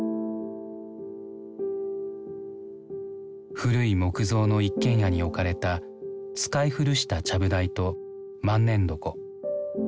古い木造の一軒家に置かれた使い古したちゃぶ台と万年床。